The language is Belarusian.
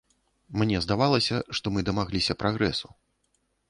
Мне здавалася, што мы дамагліся прагрэсу.